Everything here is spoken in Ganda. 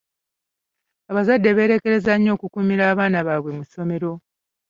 Abazadde beerekereza nnyo okukuumira abaana baabwe mu ssomero.